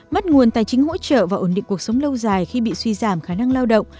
mất nguồn tài chính hỗ trợ và ổn định cuộc sống lâu dài khi bị suy giảm khả năng lao động